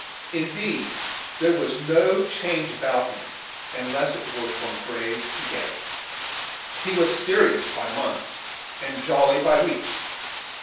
In deed there was no change about him, unless it were from grave to gay. He was serious by months, and jolly by weeks.